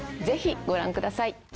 ぜひご覧ください。